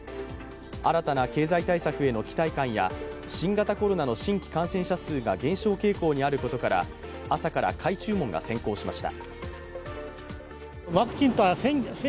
新たな経済対策への期待感や新型コロナの新規感染者数が減少傾向にあることから、朝から買い注文が先行しました。